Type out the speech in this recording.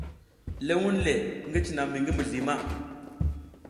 Le vunle ngi cina mi ngi mizli ma.